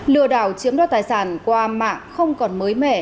lừa đảo chiếm đoạt tài sản qua mạng không còn mới mẻ